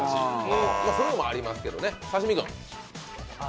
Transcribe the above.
それもありますけどね。